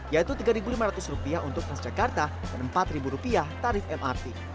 yaitu tiga lima ratus rupiah untuk transjakarta dan empat rupiah tarif mrt